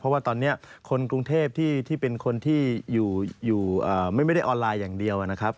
เพราะว่าตอนนี้คนกรุงเทพที่เป็นคนที่อยู่ไม่ได้ออนไลน์อย่างเดียวนะครับ